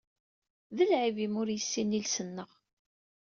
D lɛib imi ur yessin iles-nneɣ.